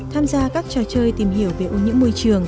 tham gia các trò chơi tìm hiểu về ô nhiễm môi trường